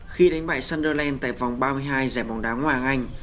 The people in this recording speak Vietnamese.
khi đánh bại sunderland tại vòng ba mươi hai giải bóng đá hoàng anh